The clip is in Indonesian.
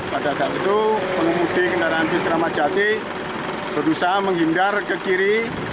pada saat itu pengemudi kendaraan bus keramajati berusaha menghindar ke kiri